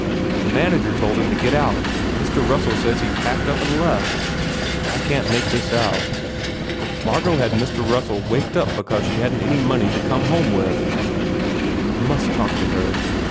The manager told him to get out. Mr. Russell says he just packed up and left. I can t make this out. Margot had Mr. Russell waked up because she hadn t any money to come home with." "I must talk to her